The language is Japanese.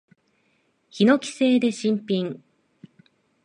ヒノキ製で新品。